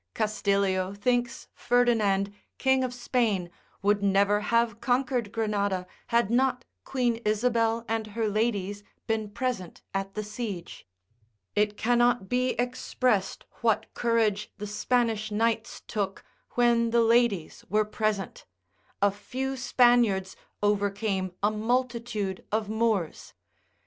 Castilio thinks Ferdinand King of Spain would never have conquered Granada, had not Queen Isabel and her ladies been present at the siege: It cannot be expressed what courage the Spanish knights took, when the ladies were present, a few Spaniards overcame a multitude of Moors.